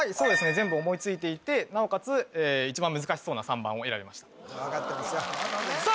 全部思いついていてなおかつ一番難しそうな３番を選びました分かってますよさあ